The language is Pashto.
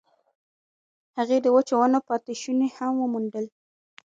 هغې د وچو ونو پاتې شوني هم وموندل.